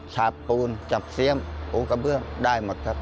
ฉาบปูนจับเสียมปูกระเบื้องได้หมดครับ